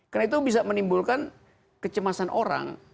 karena itu bisa menimbulkan kecemasan orang